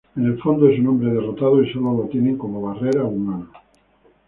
En el fondo es un hombre derrotado y solo lo tienen como barrera humana.